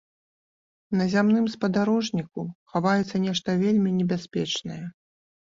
На зямным спадарожніку хаваецца нешта вельмі небяспечнае.